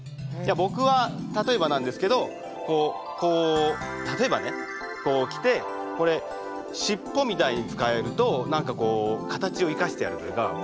僕は例えばなんですけどこうこう例えばねこうきてこれ尻尾みたいに使えると何かこう形を生かしてやるというか。